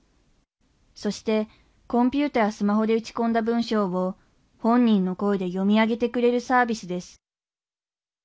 そしてコンピューターやスマホで打ち込んだ文章を本人の声で読み上げてくれるサービスです